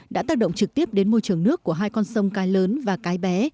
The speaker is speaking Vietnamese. đã tác động trực tiếp đến môi trường nước của hai con sông cái lớn và cái bé